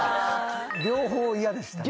両方嫌でしたね。